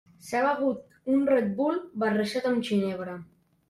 S'ha begut un Red Bull barrejat amb ginebra.